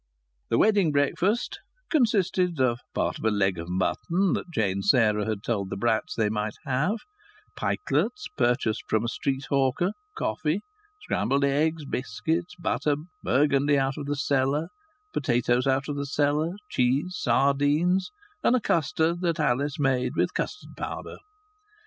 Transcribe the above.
The wedding breakfast consisted of part of a leg of mutton that Jane Sarah had told the Bratts they might have, pikelets purchased from a street hawker, coffee, scrambled eggs, biscuits, butter, burgundy out of the cellar, potatoes out of the cellar, cheese, sardines, and a custard that Alice made with custard powder.